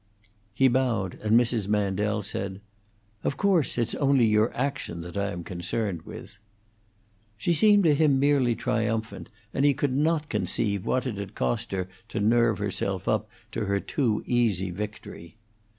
He bowed, and Mrs. Mandel said, "Of course, it's only your action that I am concerned with." She seemed to him merely triumphant, and he could not conceive what it had cost her to nerve herself up to her too easy victory.